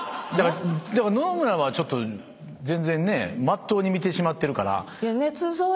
野々村はちょっと全然ねまっとうに見てしまってるから。